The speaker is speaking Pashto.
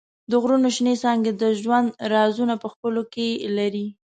د غرونو شنېڅانګې د ژوند رازونه په خپلو کې لري.